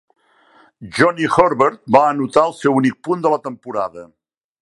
Johnny Herbert va anotar el seu únic punt de la temporada.